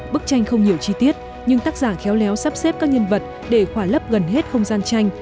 bức tranh không nhiều chi tiết nhưng tác giả khéo léo sắp xếp các nhân vật để khỏa lấp gần hết không gian tranh